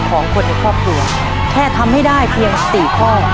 ของคนในครอบครัวแค่ทำให้ได้เพียง๔ข้อ